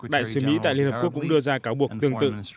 đại sứ mỹ tại liên hợp quốc cũng đưa ra cáo buộc tương tự